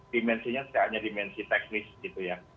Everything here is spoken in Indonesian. dimensinya tidak hanya dimensi teknis gitu ya